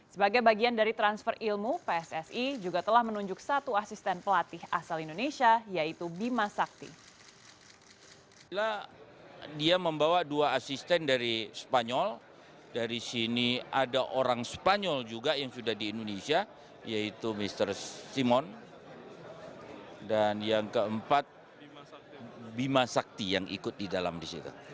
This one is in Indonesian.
sebagai bagian dari transfer ilmu pssi juga telah menunjuk satu asisten pelatih asal indonesia yaitu bima sakti